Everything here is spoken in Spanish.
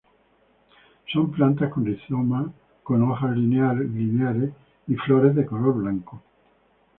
Son plantas con rizoma con hojas lineares y flores de color blanco.